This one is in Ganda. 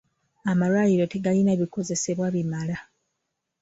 Amalwaliro tegalina bikozesebwa bimala.